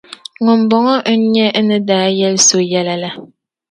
Ŋumbɔŋɔ n-nyɛ n ni daa yɛli so yɛla la.